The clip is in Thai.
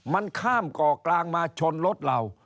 มันข้ามเกาะกลางมาชนรถเรา